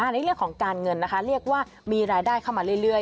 ในเรื่องของการเงินนะคะเรียกว่ามีรายได้เข้ามาเรื่อย